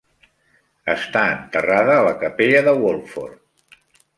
Està enterrada a la capella de Wolford.